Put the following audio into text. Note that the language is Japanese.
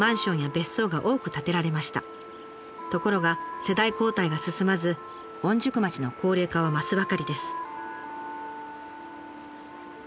ところが世代交代が進まず御宿町の高齢化は増すばかりです。